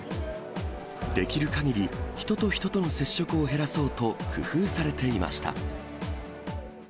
できるかぎり人と人との接触を減らそうと、工夫されていました。